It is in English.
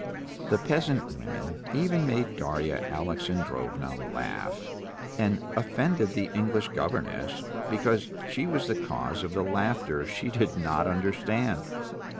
The peasant women even made Darya Alexandrovna laugh, and offended the English governess, because she was the cause of the laughter she did not understand.